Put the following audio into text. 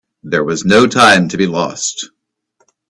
There was no time to be lost.